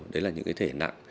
đấy là những cái thể nặng